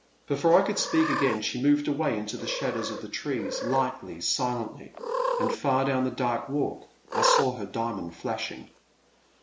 Before I could speak again she moved away into the shadows of the trees, lightly, silently, and far down the dark walk I saw her diamond flashing.